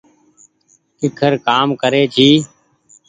ڪيکر ڪآم ڪري جي